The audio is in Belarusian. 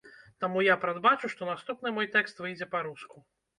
Таму я прадбачу, што наступны мой тэкст выйдзе па-руску.